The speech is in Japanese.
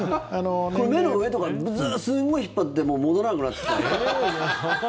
目の上とかすごい引っ張っても戻らなくなってきてる。